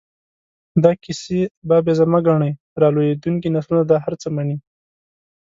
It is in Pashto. دا کیسې بابیزه مه ګڼئ، را لویېدونکي نسلونه دا هر څه مني.